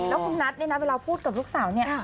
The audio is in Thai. แล้วคุณนัทเนี่ยนะเวลาพูดกับลูกสาวเนี่ย